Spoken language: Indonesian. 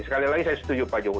sekali lagi saya setuju pak jokowi